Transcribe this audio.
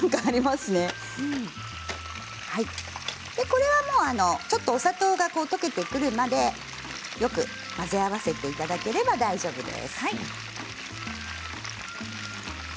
これはお砂糖が溶けてくるまでよく混ぜ合わせていただければ大丈夫です。